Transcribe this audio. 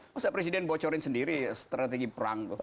masa presiden bocorin sendiri strategi perang tuh